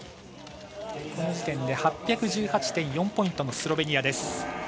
この時点で８１８．４ポイントのスロベニアです。